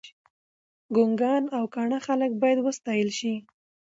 ګنګان او کاڼه خلګ باید وستایل شي.